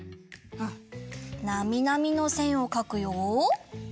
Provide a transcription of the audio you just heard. なみなみのせんをかくよ！